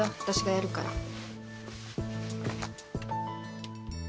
私がやるから。